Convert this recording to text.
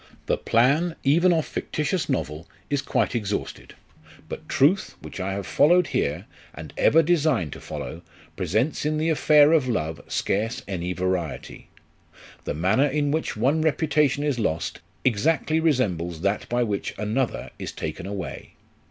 The plan even of fictitious novel LIFE OF RICHARD NASH. ' 69 is quite exhausted ; but truth, which I have followed here, and ever design to follow, presents in the affair of love scarce any variety. The manner in which one reputation is lost, exactly resembles that by which another is taken away.